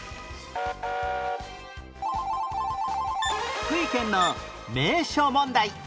福井県の名所問題